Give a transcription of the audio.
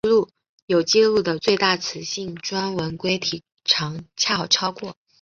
有纪录的最大雌性钻纹龟体长恰好超过。